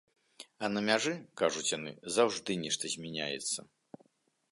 А на мяжы, кажуць яны, заўжды нешта змяняецца.